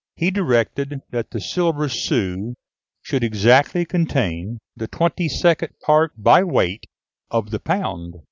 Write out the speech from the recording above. He directed that the silver sou should exactly contain the twenty second part by weight of the pound.